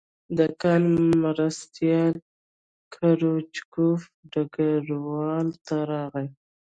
د کان مرستیال کروچکوف ډګروال ته راغی